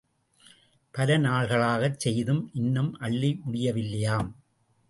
பல நாள்களாகச் செய்தும் இன்னமும் அள்ளி முடியவில்லையாம்!